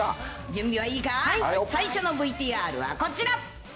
準備はいいかい、最初のＶＴＲはこちら。